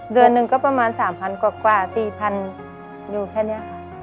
เดือนหนึ่งก็ประมาณ๓๐๐กว่า๔๐๐๐อยู่แค่นี้ค่ะ